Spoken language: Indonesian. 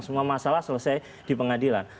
semua masalah selesai di pengadilan